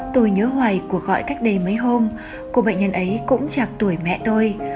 tôi nhớ hoài cuộc gọi cách đây mấy hôm cô bệnh nhân ấy cũng chạc tuổi mẹ tôi